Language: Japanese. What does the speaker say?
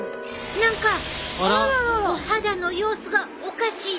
何かお肌の様子がおかしいで！